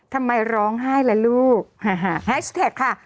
ทำไมร้องไห้ล่ะลูกแฮชแท็กค่ะ